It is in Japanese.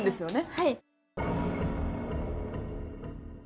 はい。